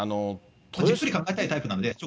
じっくり考えたいタイプなんで。